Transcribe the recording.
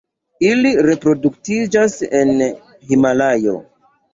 Ili reproduktiĝas en Himalajo.